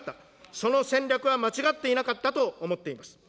その戦略は間違っていなかったと思っています。